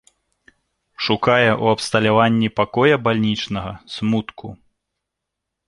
Шукае ў абсталяванні пакоя бальнічнага смутку.